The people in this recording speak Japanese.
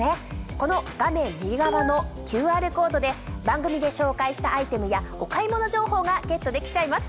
この画面右側のＱＲコードで番組で紹介したアイテムやお買い物情報がゲットできちゃいます。